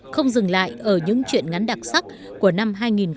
không dừng lại ở những chuyện ngắn đặc sắc của năm hai nghìn một mươi tám